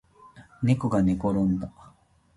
ねこがねころんだ